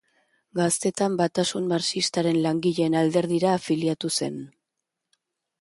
Gaztetan Batasun Marxistaren Langileen Alderdira afiliatu zen.